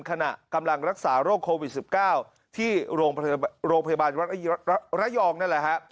ขณะกำลังรักษาโรคโควิด๑๙ที่โรงพยาบาลระยองนั่นแหละฮะ